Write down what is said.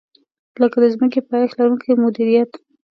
لکه د ځمکې پایښت لرونکې مدیریت.